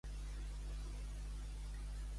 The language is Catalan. Quina actitud de Borrell l'ha afligit?